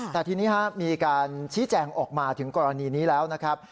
แต่ทีนี้มีการชี้แจงออกมาถึงกรณีนี้แล้วนะครับ